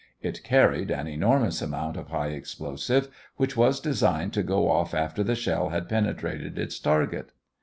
It carried an enormous amount of high explosive, which was designed to go off after the shell had penetrated its target.